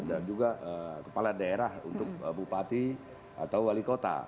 dan juga kepala daerah untuk bupati atau wali kota